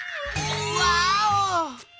ワーオ！